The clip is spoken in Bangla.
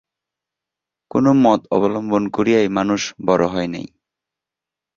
কোন মত অবলম্বন করিয়াই মানুষ বড় হয় নাই।